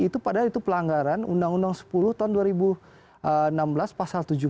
itu padahal itu pelanggaran undang undang sepuluh tahun dua ribu enam belas pasal tujuh belas